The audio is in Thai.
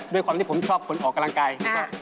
ด้วยความที่ผมชอบคนออกกำลังกาย